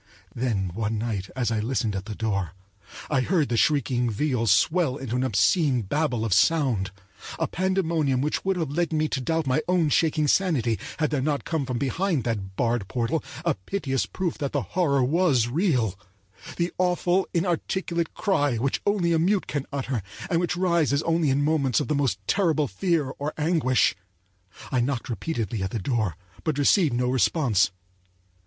Then one night as I listened at the door, I heard the shrieking viol swell into a chaotic babel of sound; a pandemonium which would have led me to doubt my own shaking sanity had there not come from behind that barred portal a piteous proof that the horror was real—the awful, inarticulate cry which only a mute can utter, and which rises only in moments of the most terrible fear or anguish. I knocked repeatedly at the door, but received no response.